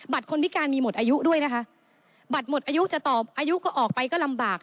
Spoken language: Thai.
บัตรคนพิการมีหมดอายุด้วยนะคะบัตรหมดอายุออกไปก็ลำบาก